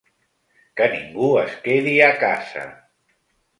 Que ningú es quedi a casa!